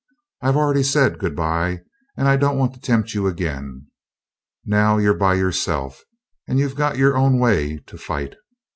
I've already said good by, and I don't want to tempt you again. Now you're by yourself and you've got your own way to fight.